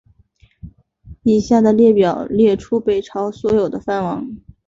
以下的列表列出北朝所有的藩王。